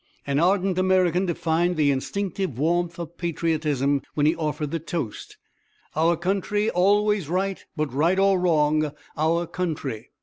An ardent American defined the instinctive warmth of patriotism when he offered the toast, 'Our country, always right; but right or wrong, our country.'